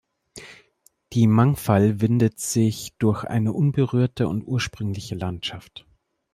Die Mangfall windet sich durch eine unberührte und ursprüngliche Landschaft.